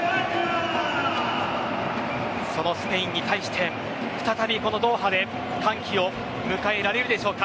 そのスペインに対して、再びこのドーハで歓喜を迎えられるでしょうか。